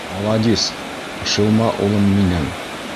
— Маладис, шилма улым минең.